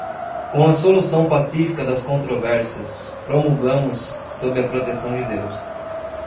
com a solução pacífica das controvérsias, promulgamos, sob a proteção de Deus